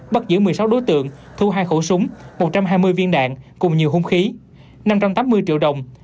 bắt giữ một mươi sáu đối tượng thu hai khẩu súng một trăm hai mươi viên đạn cùng nhiều hung khí năm trăm tám mươi triệu đồng